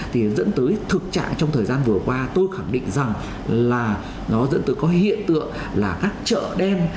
thì dẫn tới thực trạng trong thời gian vừa qua tôi khẳng định rằng là nó dẫn tới có hiện tượng là các chợ đen